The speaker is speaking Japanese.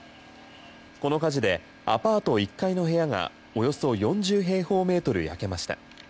この火事でアパート１階の部屋がおよそ４０平方メートル焼けました。